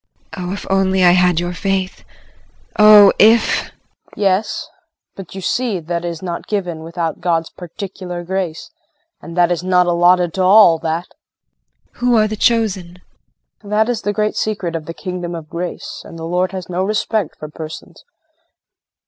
JULIE. Oh, if I only had your faith. Oh, if KRISTIN. Yes, but you see that is not given without God's particular grace, and that is not allotted to all, that! JULIE. Who are the chosen? KRISTIN. That is the great secret of the Kingdom of Grace, and the Lord has no respect for persons.